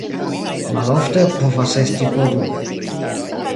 Malofte povas esti po du.